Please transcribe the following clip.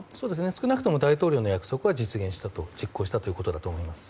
少なくとも大統領の約束を実行したということだと思います。